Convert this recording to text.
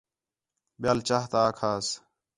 ٻِیال چاہ تا آکھاس